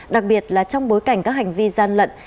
đặc biệt là trong bối cảnh các hành vi gian lận